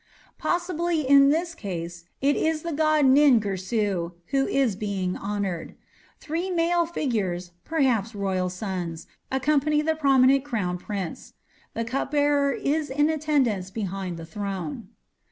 Possibly in this case it is the god Nin Girsu who is being honoured. Three male figures, perhaps royal sons, accompany the prominent crown prince. The cup bearer is in attendance behind the throne.